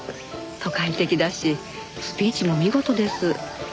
都会的だしスピーチも見事です。